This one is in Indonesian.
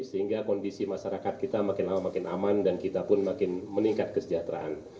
sehingga kondisi masyarakat kita makin lama makin aman dan kita pun makin meningkat kesejahteraan